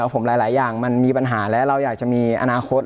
ผมหลายอย่างมันมีปัญหาและเราอยากจะมีอนาคต